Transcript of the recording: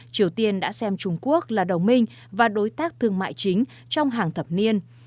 triều tiên đã xem trung quốc là đồng minh và đối tác thương mại chính trong hàng thập niên